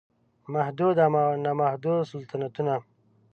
محدود او نا محدود سلطنتونه